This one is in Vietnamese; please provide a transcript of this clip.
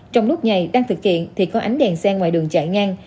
trong lúc nhày đang thực hiện thì có ánh đèn sen ngoài đường chạy ngang